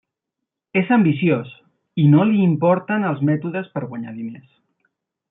És ambiciós i no li importen els mètodes per guanyar diners.